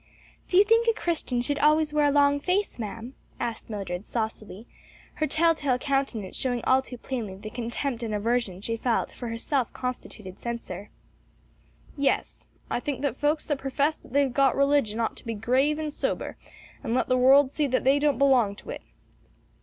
"Do you think a Christian should always wear a long face, ma'am?" asked Mildred, saucily, her tell tale countenance showing all too plainly the contempt and aversion she felt for her self constituted censor. "Yes; I think that folks that profess that they've got religion ought to be grave and sober, and let the world see that they don't belong to it."